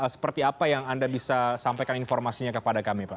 seperti apa yang anda bisa sampaikan informasinya kepada kami pak